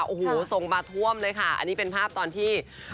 โอ้โหส่งมาท่วมเลยค่ะอันนี้เป็นภาพตอนที่